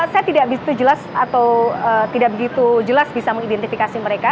saya tidak begitu jelas bisa mengidentifikasi mereka